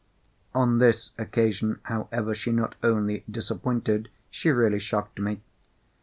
On this occasion, however, she not only disappointed—she really shocked me.